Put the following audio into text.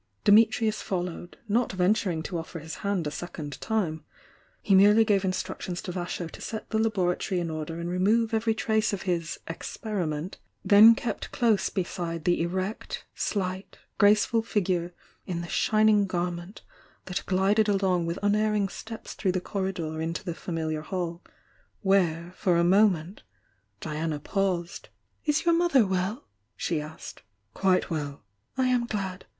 Dimitrius followed, not venturing to offer his hand a second time. He merely gave in structions to Vasho to set the laboratory in order and remove every trace of his "experiment," — then kept close beside the erect, slight, graceful figure in the shining garment that glided along with unerr ing steps through the corridor into the familiar hall, where for a moment, Diana paused. "Is your mother well?" she asked. "Quite well." "I am glad.